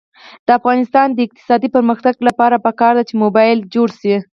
د افغانستان د اقتصادي پرمختګ لپاره پکار ده چې موبلایل جوړ شي.